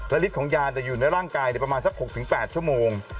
และฤทธิของยาจะอยู่ในร่างกายประมาณสัก๖๘ชั่วโมง